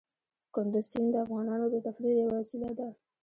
کندز سیند د افغانانو د تفریح یوه وسیله ده.